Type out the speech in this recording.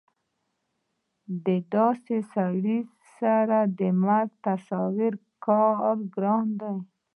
د داسې سړي سره د مرګ تصور ګران کار دی